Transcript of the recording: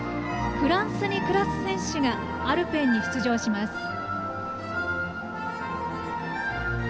フランスに暮らす選手がアルペンに出場します。